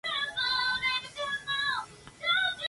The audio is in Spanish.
Del conjunto de este plan poco habría de realizarse.